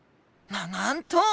ななんと！